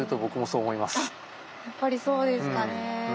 やっぱりそうですかね。